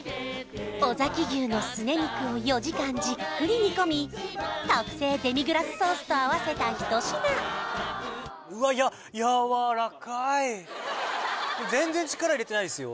尾崎牛のすね肉を４時間じっくり煮込み特製デミグラスソースと合わせた一品全然力入れてないですよ